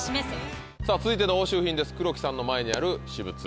続いての押収品です黒木さんの前にある私物。